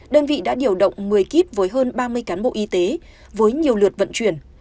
đơn vị đã điều động một mươi kíp với hơn ba mươi cán bộ y tế với nhiều lượt vận chuyển